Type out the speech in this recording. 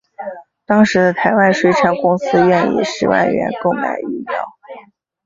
当时的台湾水产公司愿以十万元购买鱼苗。